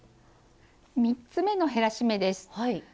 ３つ目の減らし目です。